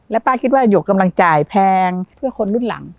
ป้าคิดว่าหยกกำลังจ่ายแพงเพื่อคนรุ่นหลัง